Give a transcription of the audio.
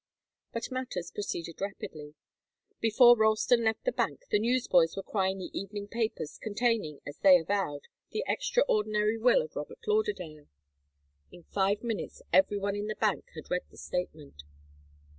But matters proceeded rapidly. Before Ralston left the bank, the newsboys were crying the evening papers, containing, as they avowed, 'the extraordinary will of Robert Lauderdale.' In five minutes every one in the bank had read the statement.